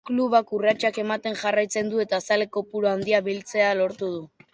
Klubak urratsak ematen jarraitzen du eta zale kopuru handia biltzea lortu du.